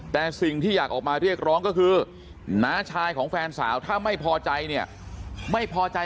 แต่สิ่งที่อยากออกมาเรียกร้องก็คือน้าชายของแฟนสาวถ้าไม่พอใจเนี่ยไม่พอใจ